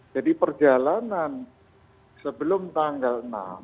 jadi perjalanan sebelum tanggal enam